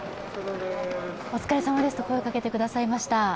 お疲れさまですと声をかけてくださいまし。